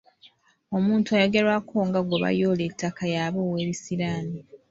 Omuntu ayogerwako nga gwe baayoola ettaka y'aba ow'ebisiraani